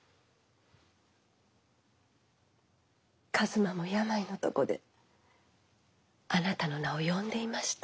一馬も病の床であなたの名を呼んでいました。